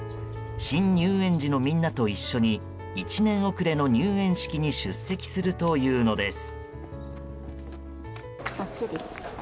新入園児のみんなと一緒に１年遅れの入園式に出席するというのです。